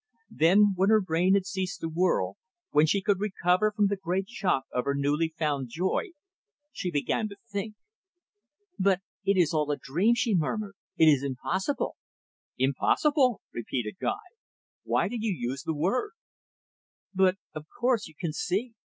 Then, when her brain had ceased to whirl, when she could recover from the great shock of her newly found joy, she began to think. "But it is all a dream," she murmured. "It is impossible." "Impossible!" repeated Guy. "Why do you use the word?" "But, of course, you can see.